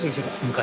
昔。